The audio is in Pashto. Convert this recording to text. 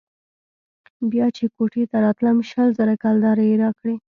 بيا چې كوټې ته راتلم شل زره كلدارې يې راکړې.